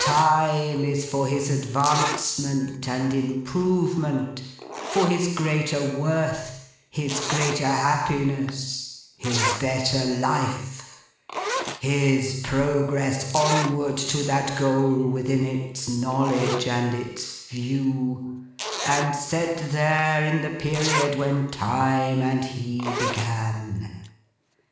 Time is for his advancement and improvement; for his greater worth, his greater happiness, his better life; his progress onward to that goal within its knowledge and its view, and set there, in the period when Time and He began.